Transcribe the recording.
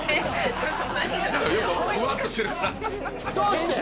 ちょっと。